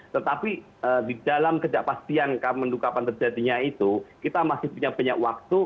tetapi di dalam kejadian yang mendukakan terjadinya itu kita masih punya banyak waktu